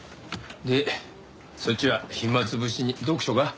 でそっちは暇つぶしに読書か？